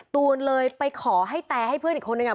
ตูนเลยไปขอให้แต่ให้เพื่อนอีกคนนึงอ่ะ